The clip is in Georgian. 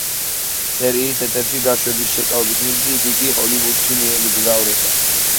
სერიის ეთერში გაშვების შეკავების მიზნით იგი ჰოლივუდში მიემგზავრება.